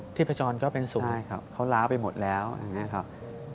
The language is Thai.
พจรก็เป็นสูงใช่ครับเขาล้าไปหมดแล้วอย่างนี้ครับ